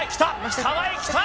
川井、来た！